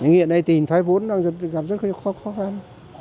nhưng hiện nay tình thoái vốn đang gặp rất khó khăn